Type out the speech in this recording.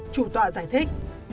chủ tọa giải thích